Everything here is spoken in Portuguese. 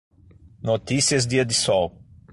Notícias dia de sol